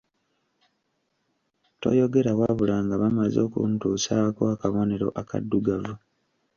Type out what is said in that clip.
Toyogera wabula nga bamaze okuntuusaako akabonero akaddugavu.